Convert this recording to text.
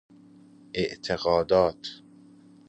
اعتقادات